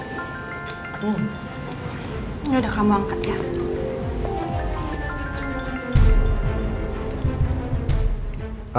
yaudah kamu angkat ya